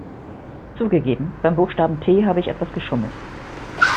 Zugegeben, beim Buchstaben T habe ich etwas geschummelt.